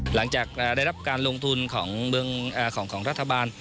หลังจากได้รับการลงทุนของรัฐบาล